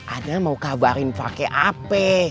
anak mau kabarin pake ap